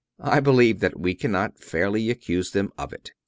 I believe that we cannot fairly accuse them of it."